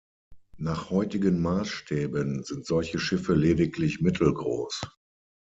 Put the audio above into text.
Nach heutigen Maßstäben sind solche Schiffe lediglich mittelgroß.